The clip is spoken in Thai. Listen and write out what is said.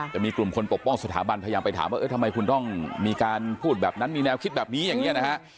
แต่มีกลุ่มคนปกป้องสถาบันพยายามไปถามว่าเออทำไมคุณต้องมีการพูดแบบนั้นมีแนวคิดแบบนี้อย่างนี้นะฮะ